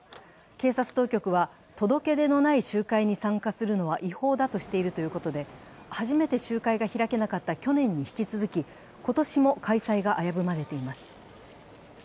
警察当局は、届け出のない集会に参加するのは違法だとしているということで初めて集会が開けなかった去年に引き続き、今年も開催が危ぶまれています。